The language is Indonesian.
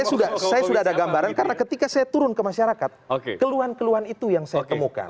saya sudah saya sudah ada gambaran karena ketika saya turun ke masyarakat keluhan keluhan itu yang saya temukan